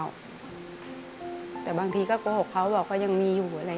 อเรนนี่ส์แต่บางทีก็โกหกเขาบอกว่ายังมีอยู่อะไรอย่างนี้